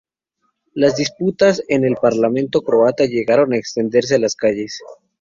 Las disputas en el parlamento croata llegaron a extenderse a las calles.